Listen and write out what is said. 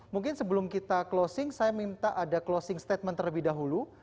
mungkin sebelum kita closing saya minta ada closing statement terlebih dahulu